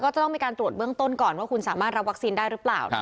ก็จะต้องมีการตรวจเบื้องต้นก่อนว่าคุณสามารถรับวัคซีนได้หรือเปล่า